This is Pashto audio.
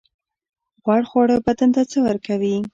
غوړ خواړه بدن ته څه ورکوي؟